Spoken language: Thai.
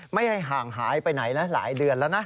ไม่ให้ห่างหายไปไหนแล้วหลายเดือนแล้วนะ